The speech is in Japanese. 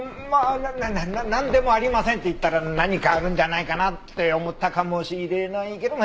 なななななんでもありませんって言ったら何かあるんじゃないかなって思ったかもしれないけどま